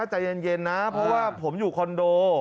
ใจเย็นนะเพราะว่าผมอยู่คอนโด